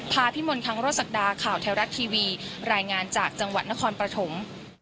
พาพี่มนต์ค้างรถสักดาข่าวแถวรัดทีวีรายงานจากจังหวัดนครปฐม